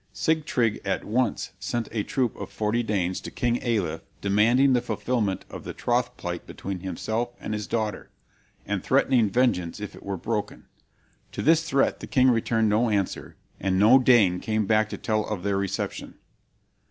Sigtryg at once sent a troop of forty Danes to King Alef demanding the fulfilment of the troth plight between himself and his daughter, and threatening vengeance if it were broken. To this threat the king returned no answer, and no Dane came back to tell of their reception.